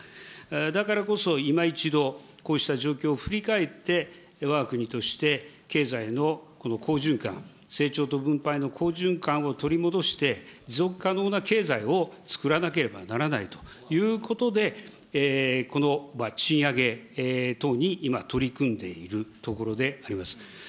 だからこそ、いま一度、こうした状況を振り返って、わが国として経済のこの好循環、成長と分配の好循環を取り戻して、持続可能な経済を作らなければならないということで、この賃上げ等に今、取り組んでいるところであります。